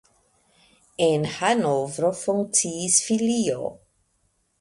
En Hanovro funkciis filio.